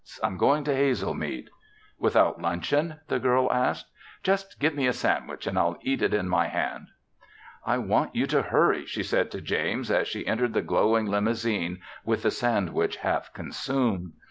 I'm going to Hazelmead." "Without luncheon?" the girl asked. "Just give me a sandwich and I'll eat it in my hand." "I want you to hurry," she said to James as she entered the glowing limousine with the sandwich half consumed.